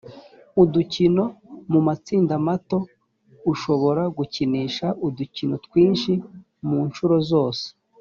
udukino mu matsinda mato ushobora gukinisha udukino twinshi mu ncuro zose